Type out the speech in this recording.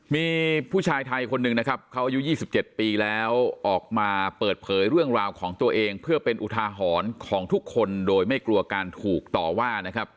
มีผู้ชายไทยคนหนึ่งนะครับเขาอายุ๒๗ปีแล้วออกมาเปิดเผยเรื่องราวของตัวเองเพื่อเป็นอุทาหรณ์ของทุกคนโดยไม่กลัวการถูกต่อว่านะครับ